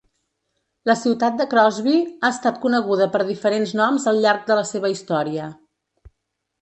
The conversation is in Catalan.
La ciutat de Crosby ha estat coneguda per diferents noms al llarg de la seva història.